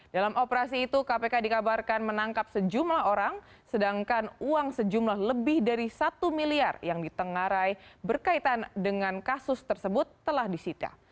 dalam operasi itu kpk dikabarkan menangkap sejumlah orang sedangkan uang sejumlah lebih dari satu miliar yang ditengarai berkaitan dengan kasus tersebut telah disita